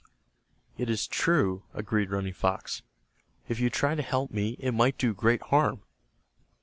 "It is true," agreed Running Fox. "If you try to help me it might do great harm."